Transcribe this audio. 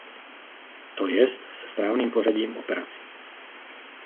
To jest se správným pořadím operací.